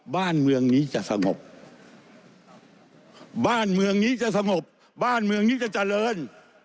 บ้านเมืองนี้จะสงบบ้านเมืองนี้จะสงบบ้านเมืองนี้จะเจริญ